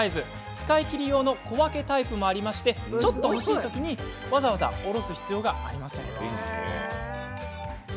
使い切り用の小分けタイプもありちょっと欲しいときわざわざおろす必要がありません。